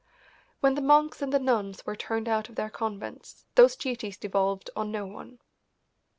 When the monks and the nuns were turned out of their convents these duties devolved on no one.